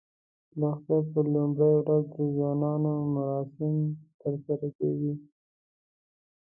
د اختر په لومړۍ ورځ د ځوانانو مراسم ترسره کېږي.